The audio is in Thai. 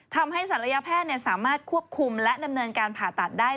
ศัลยแพทย์สามารถควบคุมและดำเนินการผ่าตัดได้